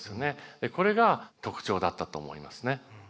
これが特徴だったと思いますね。